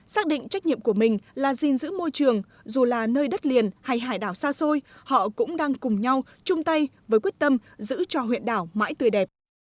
xác định trách nhiệm của mình là gìn giữ môi trường dù là nơi đất liền hay hải đảo xa xôi họ cũng đang cùng nhau chung tay với quyết tâm giữ cho huyện đảo mãi tươi đẹp